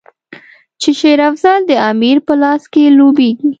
چې شېر افضل د امیر په لاس کې لوبیږي.